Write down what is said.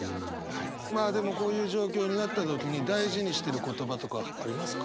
まあでもこういう状況になった時に大事にしてる言葉とかありますか？